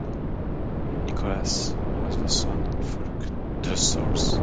Nicholas was the son of Fulk de Soules.